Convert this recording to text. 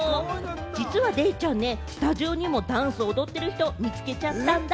実はデイちゃんね、スタジオにもダンスを踊っている人、見つけちゃったんだ！